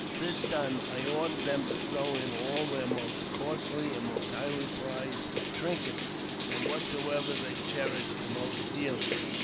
This done, I ordered them to throw in all their most costly and most highly prized trinkets, and whatsoever they cherished the most dearly.